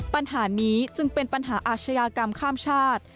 ปัญหานี้จึงเป็นปัญหาอาชญากรรมข้ามชาติ